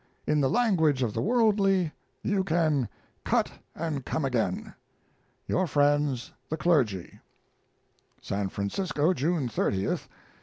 In the language of the worldly you can "cut and come again." Your friends, THE CLERGY. SAN FRANCISCO, June 30th. MR.